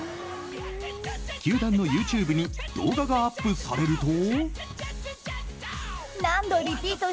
球団のＹｏｕＴｕｂｅに動画がアップされると。